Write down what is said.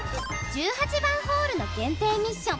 １８番ホールの限定ミッション。